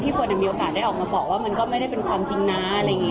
คนมีโอกาสได้ออกมาบอกว่ามันก็ไม่ได้เป็นความจริงนะอะไรอย่างนี้